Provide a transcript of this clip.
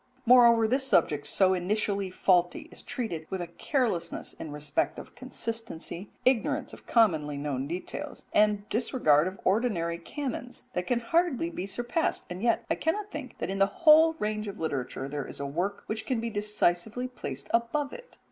Moreover, this subject so initially faulty is treated with a carelessness in respect of consistency, ignorance of commonly known details, and disregard of ordinary canons, that can hardly be surpassed, and yet I cannot think that in the whole range of literature there is a work which can be decisively placed above it.